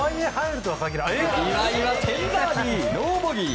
岩井は１０バーディー、ノーボギー。